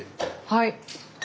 はい。